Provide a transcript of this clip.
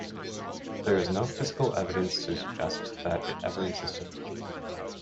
There is no physical evidence to suggest that it ever existed.